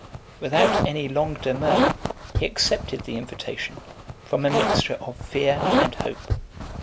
Without any long demur, he accepted the invitation, from a mixture of fear and hope.